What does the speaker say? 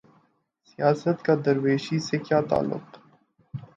سیاست کا درویشی سے کیا تعلق؟